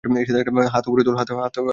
হাত ওপরে তোলো!